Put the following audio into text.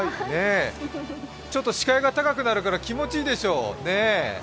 ちょっと視界が高くなるから気持ちがいいでしょう？